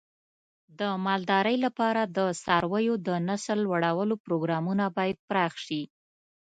د مالدارۍ لپاره د څارویو د نسل لوړولو پروګرامونه باید پراخ شي.